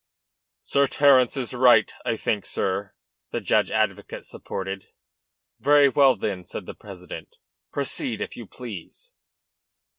"Sir Terence is right, I think, sir," the judge advocate supported. "Very well, then," said the president. "Proceed, if you please."